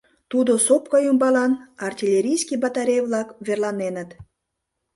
Тудо сопка ӱмбалан артиллерийский батарей-влак верланеныт.